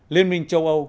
liên minh châu âu